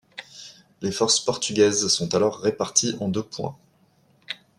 Les forces portugaises sont alors réparties en deux points.